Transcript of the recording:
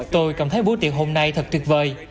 tôi cảm thấy buổi tiệu hôm nay thật tuyệt vời